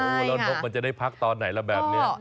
แล้วนกมันจะได้พักตอนไหนล่ะแบบนี้